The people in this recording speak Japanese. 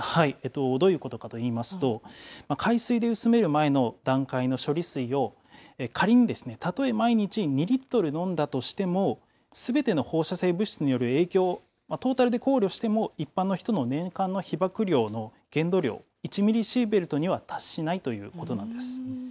どういうことかといいますと、海水で薄める前の段階の処理水を、仮にたとえ毎日２リットル飲んだとしても、すべての放射性物質による影響、トータルで考慮しても一般の人の年間の被ばく量の限度量１ミリシーベルトには達しないということなんです。